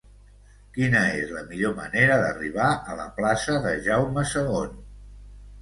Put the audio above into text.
Quina és la millor manera d'arribar a la plaça de Jaume II?